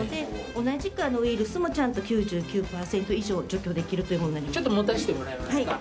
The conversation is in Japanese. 同じくウイルスもちゃんと９９％以上除去できるというものちょっと持たせてもらえますか？